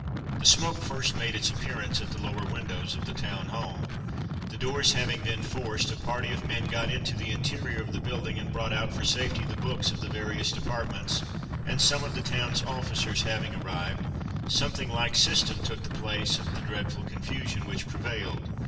The smoke first made its appearance at the lower windows of the Town Hall. The doors having been forced, a party of men got into the interior of the building, and brought out for safety the books of the various departments, and some of the town's officers having arrived, something like system took the place of the dreadful confusion which prevailed.